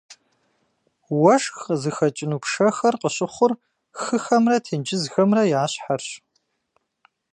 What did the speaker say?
Уэшх къызыхэкӏыну пшэхэр къыщыхъур хыхэмрэ тенджызхэмрэ я щхьэрщ.